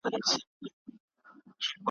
لکه پتڼ درته سوځېږمه بلبل نه یمه `